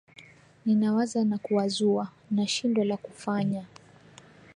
Ninawaza na kuwazua, nashindwa la kufanya